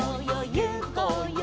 ゆこうよ